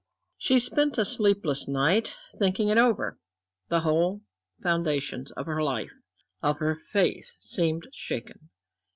She spent a sleepless night, thinking it over. The whole foundations of her life, of her faith seemed shaken.